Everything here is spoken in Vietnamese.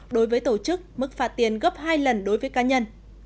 đối với tổ chức mức phạt tiền gấp hai lần đối với cá nhân